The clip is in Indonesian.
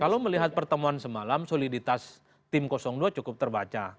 kalau melihat pertemuan semalam soliditas tim dua cukup terbaca